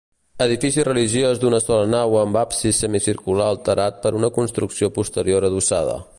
Edifici religiós d'una sola nau amb absis semicircular alterat per una construcció posterior adossada.